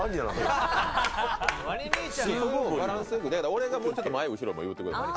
俺がもうちょっと前、後ろも言ってください。